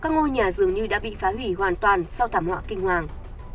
các ngôi nhà dường như đã bị phá hủy hoàn toàn sau thảm họa kinh hoàng